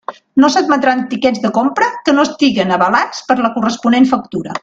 No s'admetran tiquets de compra que no estiguen avalats per la corresponent factura.